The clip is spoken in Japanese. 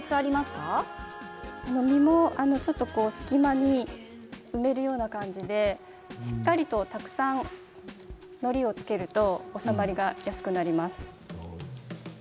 実もちょっと隙間に埋めるような感じでしっかりとたくさんのりをつけると収まりやすくなります。